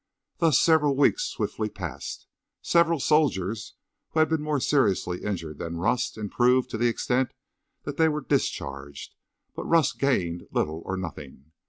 Thus several weeks swiftly passed by. Several soldiers who had been more seriously injured than Rust improved to the extent that they were discharged. But Rust gained little or nothing.